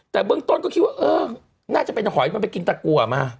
แต่เบื้องต้นก็คิดว่าเออน่าจะเป็นหอยมันไปกินตะกัวมา